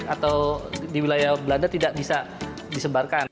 atau di wilayah belanda tidak bisa disebarkan